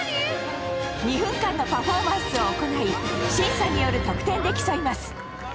２分間のパフォーマンスを行い審査による得点で競います。